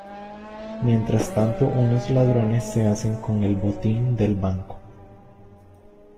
Mientras tanto unos ladrones se hacen con el botín del banco...